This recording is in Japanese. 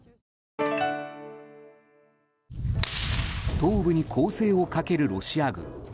東部に攻勢をかけるロシア軍。